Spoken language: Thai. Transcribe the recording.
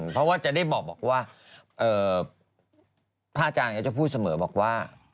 เพราะว่าจะได้บอกว่าพระอาจารย์ก็จะพูดเสมอบอกว่า